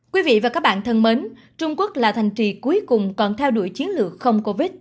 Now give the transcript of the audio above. quý vị và các bạn thân mến trung quốc là thành trì cuối cùng còn theo đuổi chiến lược không covid